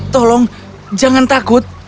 tolong jangan takut